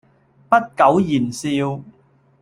不苟言笑